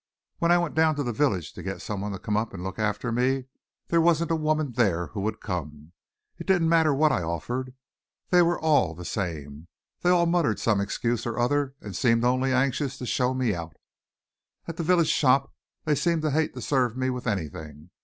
When I went down to the village to get some one to come up and look after me, there wasn't a woman there who would come. It didn't matter what I offered, they were all the same. They all muttered some excuse or other, and seemed only anxious to show me out. At the village shop they seemed to hate to serve me with anything.